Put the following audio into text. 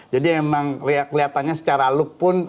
jadi emang kelihatannya secara look pun